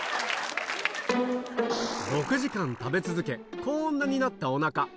６時間食べ続け、こーんなになったおなか。